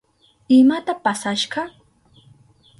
¿Imata pasashka?